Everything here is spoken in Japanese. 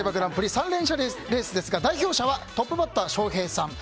三輪車レースですが代表者はトップバッター翔平さん